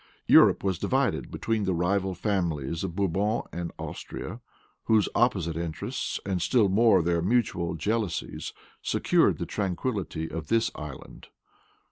Europe was divided between the rival families of Bourbon and Austria, whose opposite interests, and still more, their mutual jealousies, secured the tranquillity of this island.